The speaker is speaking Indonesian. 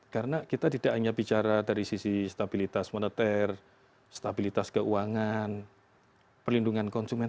karena kita tidak hanya bicara dari sisi stabilitas moneter stabilitas keuangan perlindungan konsumen